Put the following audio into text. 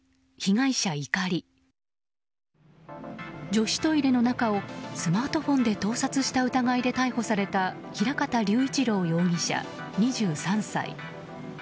女子トイレの中をスマートフォンで盗撮した疑いで逮捕された平方颯一朗容疑者、２３歳。